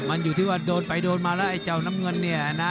ดูดูว่าโดนไปโดนมาะละไอ้เจ้าน้ำเงินเนี้ยนะ